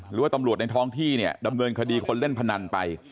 หรือว่าตำรวจในท้องที่เนี่ยดำเนินคดีคนเล่นพนันไป